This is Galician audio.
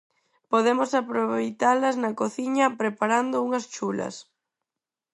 Podemos aproveitalas na cociña preparando unhas chulas.